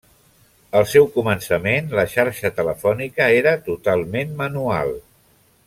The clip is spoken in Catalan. Al seu començament, la xarxa telefònica era totalment manual.